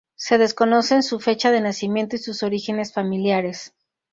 Se desconocen su fecha de nacimiento y sus orígenes familiares.